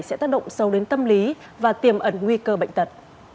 sẽ tác động sâu đến tâm lý và tiềm ẩn nguy cơ bệnh tật